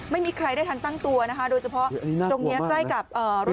ไม่มีใครได้ทันตั้งตัวนะคะโดยเฉพาะตรงนี้ใกล้กับรถ